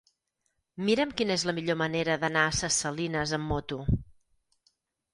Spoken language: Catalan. Mira'm quina és la millor manera d'anar a Ses Salines amb moto.